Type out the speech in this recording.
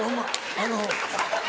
あの。